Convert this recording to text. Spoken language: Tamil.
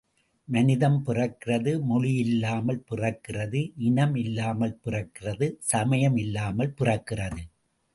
மனிதம் பிறக்கிறது மொழியில்லாமல் பிறக்கிறது இனம் இல்லாமல் பிறக்கிறது சமயம் இல்லாமல் பிறக்கிறது.